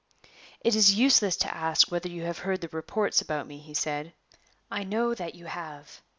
"It is useless to ask whether you have heard the reports about me," he said; "I know that you have.